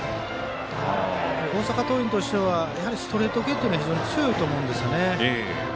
大阪桐蔭としては、やはりストレート系というのは非常に強いと思うんですよね。